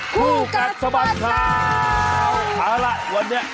ครูกัสสบัดข้าวนะ